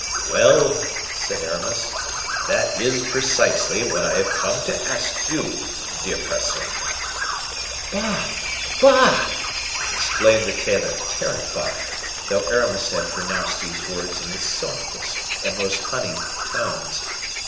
"Well," said Aramis, "that is precisely what I have come to ask you, dear Percerin." "Ah, bah!" exclaimed the tailor, terrified, though Aramis had pronounced these words in his softest and most honeyed tones.